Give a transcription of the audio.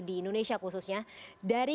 di indonesia khususnya dari